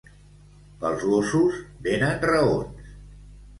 Pels gossos venen raons.